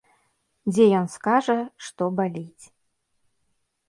Дзе ён скажа, што баліць.